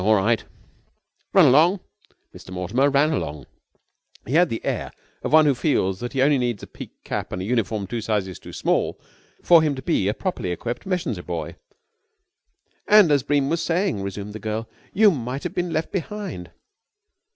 "Oh, all right." "Run along!" Mr. Mortimer ran along. He had the air of one who feels that he only needs a peaked cap and a uniform two sizes too small for him to be a properly equipped messenger boy. "And, as Bream was saying," resumed the girl, "you might have been left behind."